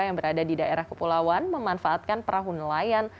yang berada di daerah kepulauan memanfaatkan perahu nelayan